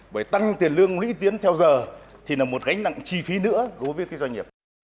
bởi tăng tiền lương lũy tiến theo giờ thì là một gánh nặng chi phí nữa đối với doanh nghiệp